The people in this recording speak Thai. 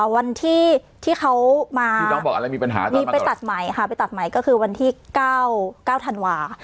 วันที่เขามามีไปตัดใหม่ค่ะไปตัดใหม่ก็คือวันที่๙ธันวาส์